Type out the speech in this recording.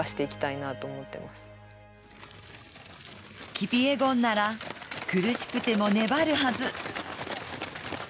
キピエゴンなら、苦しくても粘るはず。